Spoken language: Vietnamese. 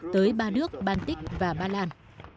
tới ba nước baltic và bà lan